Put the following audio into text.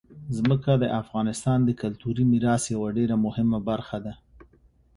ځمکه د افغانستان د کلتوري میراث یوه ډېره مهمه برخه ده.